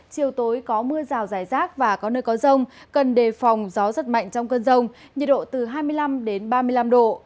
chiều tối có mưa rào rải rác và có nơi có rông cần đề phòng gió rất mạnh trong cơn rông nhiệt độ từ hai mươi năm ba mươi năm độ